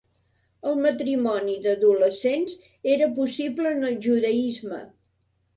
El matrimoni d'adolescents era possible en el judaisme.